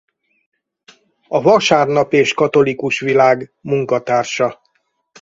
A Vasárnap és Katholikus Világ munkatársa.